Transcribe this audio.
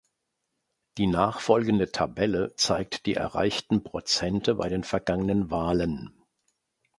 Die nachfolgende Tabelle zeigt die erreichten Prozente bei den vergangenen Wahlen.